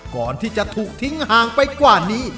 ก่อนที่จะถูกทิ้งห่างไปกว่านี้